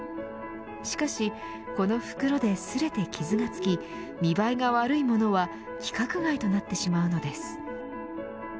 しかし、この袋ですれて傷が付き見栄えが悪いものは規格外となってしまうのです。